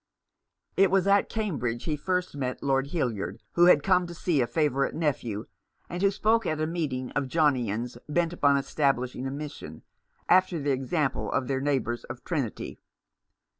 It was at Cambridge he first met Lord Hildyard, who had come to see a favourite nephew, and who spoke at a meeting of Johnians bent upon establishing a mission, after the example of their neighbours of Trinity.